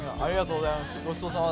ごちそうさまです。